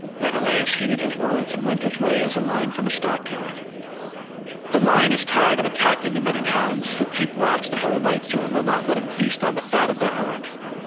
Menelaus heeded his words and went his way as a lion from a stockyard—the lion is tired of attacking the men and hounds, who keep watch the whole night through and will not let him feast on the fat of their herd.